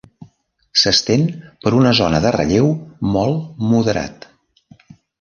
S'estén per una zona de relleu molt moderat.